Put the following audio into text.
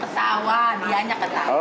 ketawa dia yang ketawa